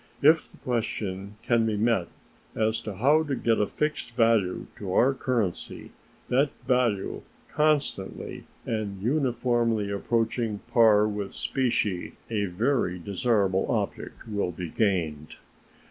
If the question can be met as to how to get a fixed value to our currency, that value constantly and uniformly approaching par with specie, a very desirable object will be gained.